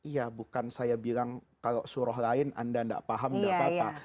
ya bukan saya bilang kalau surah lain anda tidak paham tidak apa apa